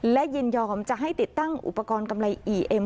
และยินยอมจะให้ติดตั้งอุปกรณ์กำไรอีเอ็ม